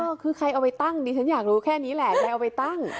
คือใครเอาไปตั้งดิฉันอยากรู้แค่นี้แหละเลยเอาไปตั้ง